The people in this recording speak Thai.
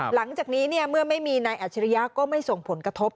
หลังจากนี้เมื่อไม่มีนายอัจฉริยะก็ไม่ส่งผลกระทบ